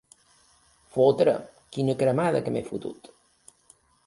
Fotre, quina cremada que m'he fotut!